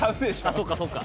そうかそうか。